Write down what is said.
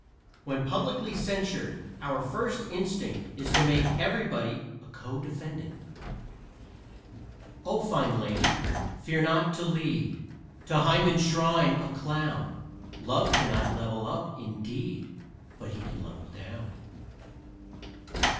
When publicly censured our first instinct is to make everybody a codefendant. O lady fine, fear not to lead To Hymen's shrine a clown: Love cannot level up, indeed, But he can level down.